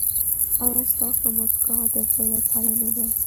ایا ستاسو مسکا د زړه له تله نه ده؟